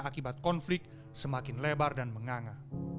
akibat konflik semakin lebar dan menganga